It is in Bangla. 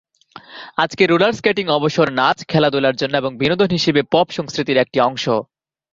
আজকের রোলার স্কেটিং অবসর নাচ, খেলাধুলার জন্য এবং বিনোদন হিসেবে পপ সংস্কৃতির একটি অংশ।